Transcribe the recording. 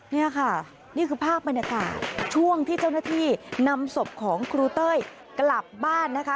นี่ค่ะนี่คือภาพบรรยากาศช่วงที่เจ้าหน้าที่นำศพของครูเต้ยกลับบ้านนะคะ